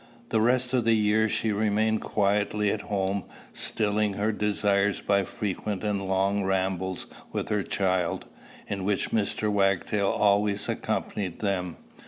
The rest of the year she remained quietly at home, stilling her desires by frequent and long rambles with her child, in which Mr. Wagtail always accompanied them.